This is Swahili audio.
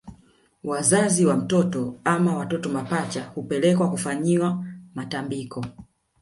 Wazazi wa mtoto ama watoto mapacha hupelekwa kufanyiwa matambiko